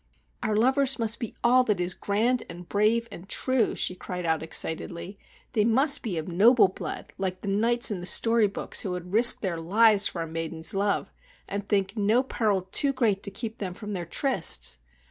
"Our lovers must be all that is grand and brave and true," she cried excitedly. "They must be of noble blood, like the knights in the story books, who would risk their lives for a maiden's love and think no peril too great to keep them from their trysts.